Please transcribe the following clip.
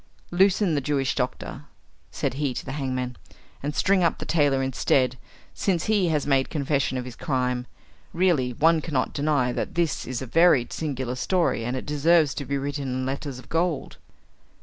"Loosen the Jewish doctor," said he to the hangman, "and string up the tailor instead, since he has made confession of his crime. Really, one cannot deny that this is a very singular story, and it deserves to be written in letters of gold."